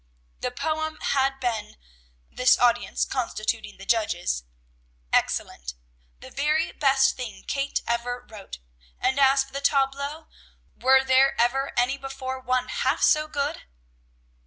The poem had been (this audience constituting the judges) excellent, the very best thing Kate ever wrote; and as for the tableaux, were there ever any before one half so good?